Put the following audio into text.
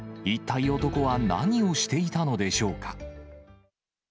一体、男は何をしていたのでしょうか。